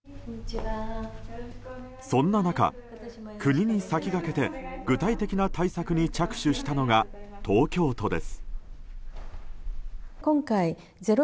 そんな中、国に先駆けて具体的な対策に着手したのが東京都です。